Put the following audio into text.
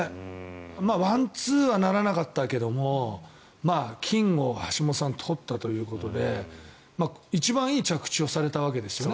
ワンツーはならなかったけど金を橋本さん取ったということで一番いい着地をされたわけですよね。